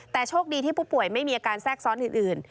แต่โชคดีที่ผู้ป่วยไม่มีอาการแทรกซ้อนอื่น